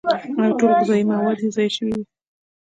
او ټول غذائي مواد ئې ضايع شوي وي